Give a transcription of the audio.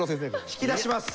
引き出します！